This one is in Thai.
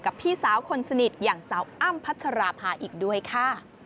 พี่สาวคนสนิทอย่างสาวอ้ำพัชราภาอีกด้วยค่ะ